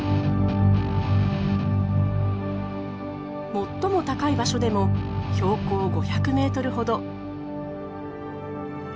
最も高い場所でも標高５００ｍほど。